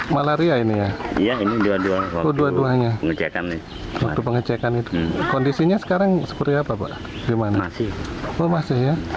masih ya apa badannya panas